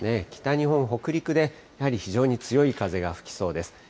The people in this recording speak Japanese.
北日本、北陸でやはり非常に強い風が吹きそうです。